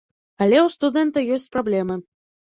Але ў студэнта ёсць праблемы.